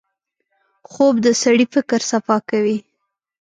خوب د سړي فکر صفا کوي